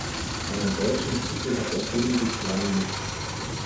Einen deutschen Titel hat der Film bislang nicht.